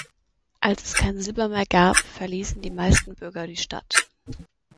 Als es kein Silber mehr gab, verließen die meisten Bürger die Stadt.